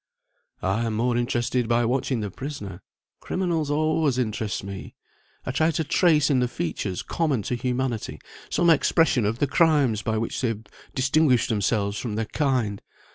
"I am more interested by watching the prisoner. Criminals always interest me. I try to trace in the features common to humanity some expression of the crimes by which they have distinguished themselves from their kind.